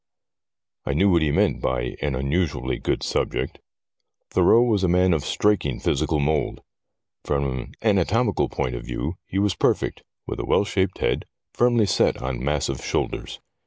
I knew what he meant by ' an unusually good subject.' Thurreau was a man of striking physical mould. From an anatomical point of view he was perfect, with a well shaped head, firmly set on massive shoulders.